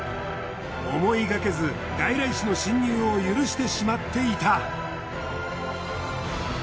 思いがけず外来種の侵入を許してしまっていた。